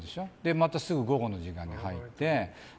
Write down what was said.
またすぐ午後の時間に入って。